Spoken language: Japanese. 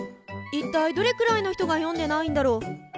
一体どれくらいの人が読んでないんだろう。